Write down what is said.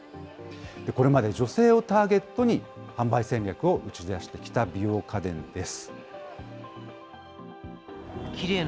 これまで女性をターゲットに、販売戦略を打ち出してきた美容家電です。